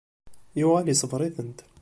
Yuɣal isebbeṛ-itent.